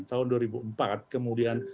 tahun dua ribu empat kemudian